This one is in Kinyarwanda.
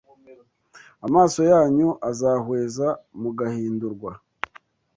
amaso yanyu azahweza, mugahindurwa